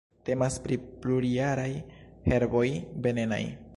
Temas pri plurjaraj herboj venenaj.